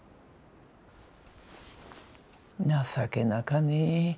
情けなかね。